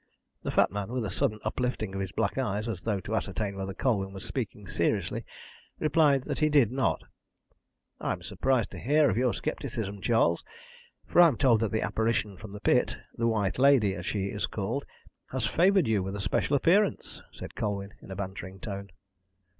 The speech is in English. The fat man, with a sudden uplifting of his black eyes, as though to ascertain whether Colwyn was speaking seriously, replied that he did not. "I'm surprised to hear of your scepticism, Charles, for I'm told that the apparition from the pit the White Lady, as she is called has favoured you with a special appearance," said Colwyn, in a bantering tone.